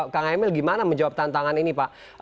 kang emil gimana menjawab tantangan ini pak